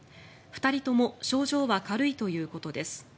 ２人とも症状は軽いということです。